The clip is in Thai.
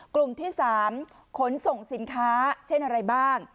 กลุ่มที่๓ขนส่งสินค้าเช่นอะไรบ้าง